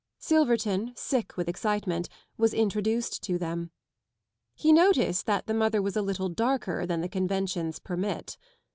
Silverton, sick with excitement, was introduced to them. He noticed that the mother was a little darker than the conventions permit.